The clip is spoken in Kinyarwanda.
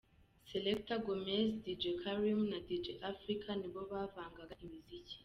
Selector Gomez, Dj Karim na Dj Africa ni bo bavangaga imiziki.